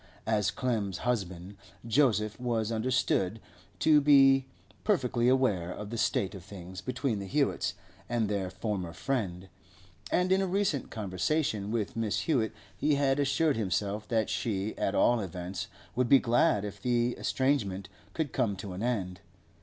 As Clem's husband, Joseph was understood to be perfectly aware of the state of things between the Hewetts and their former friend, and in a recent conversation with Mrs. Hewett he had assured himself that she, at all events, would be glad if the estrangement could come to an end.